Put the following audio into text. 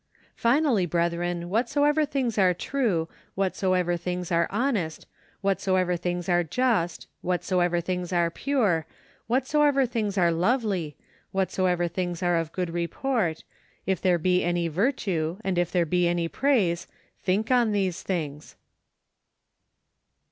" Finally, brethren, whatsoever things are true., whatsoever things are honest, whatsoever' things are just, whatsoever things are pure, whatsoever things are lovely, whatsoever things are of good report; if there he any virtue , and if there he any praise , think on these things